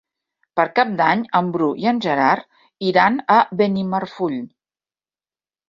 Per Cap d'Any en Bru i en Gerard iran a Benimarfull.